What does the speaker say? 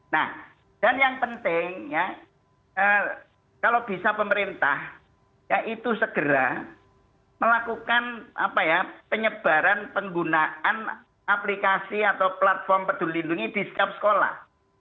nah dan yang penting ya kalau bisa pemerintah ya itu segera melakukan penyebaran penggunaan aplikasi atau platform peduli lindungi di setiap sekolah